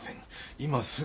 今すぐ。